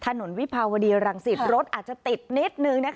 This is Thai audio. ถนนวิภาวดีรังศิษย์อาจจะติดนิดหนึ่ง